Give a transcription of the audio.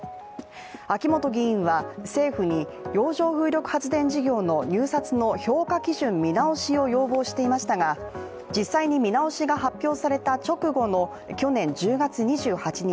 秋本議員は政府に洋上風力発電事業の入札の評価基準見直しを要望していましたが実際に見直しが発表された直後の去年１０月２８日